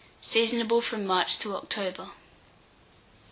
Seasonable from March to October.